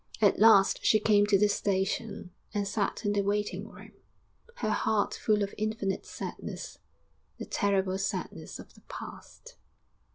At last she came to the station, and sat in the waiting room, her heart full of infinite sadness the terrible sadness of the past....